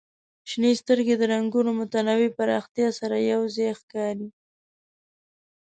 شنې سترګې د رنګونو متنوع پراختیا سره یو ځای ښکاري.